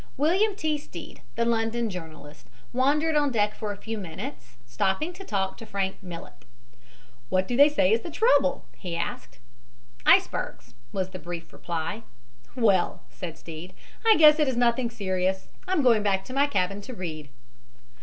William T. Stead, the London journalist, wandered on deck for a few minutes, stopping to talk to Frank Millet. "What do they say is the trouble?" he asked. "Icebergs," was the brief reply. "Well," said Stead, "I guess it is nothing serious. I'm going back to my cabin to read."